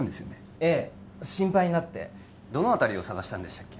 ええ心配になってどの辺りを捜したんでしたっけ